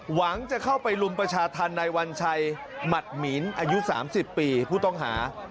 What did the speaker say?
หวังจะเข้าไปรุมประชาธรรมในวันชัยหมัดหมีนอายุ๓๐ปีผู้ต้องหา